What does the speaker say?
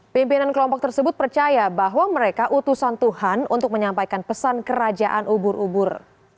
pimpinan kelompok tersebut percaya bahwa mereka utusan tuhan untuk menyampaikan pesan kerajaan ubur ubur